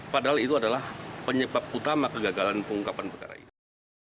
padahal itu adalah penyebab utama kegagalan pengungkapan perkara ini